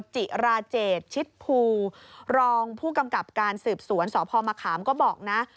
จิราเจตชิดภูรองผู้กำกับการสืบสวนสพมะขามก็บอกนะ